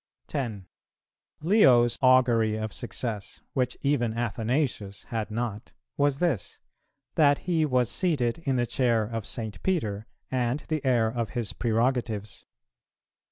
10. Leo's augury of success, which even Athanasius had not, was this, that he was seated in the chair of St. Peter and the heir of his prerogatives.